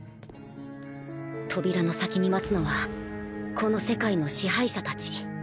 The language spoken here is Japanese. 扉の先に待つのはこの世界の支配者たち